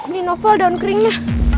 ini novo daun keringnya